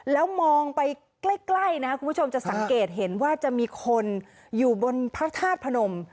แล้วมองไปใกล้นะครับคุณผู้ชมจะสังเกตเห็นว่าจะมีคนอยู่บนพระธาตุพนม